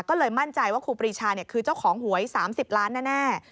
ก็เลยมั่นใจว่าครูปรีชาคือเจ้าของหวย๓๐ล้านแน่